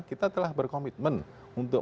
kita telah berkomitmen untuk